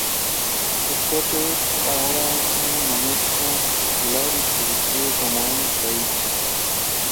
Scott es ahora una humanista secular y se describe como no teísta.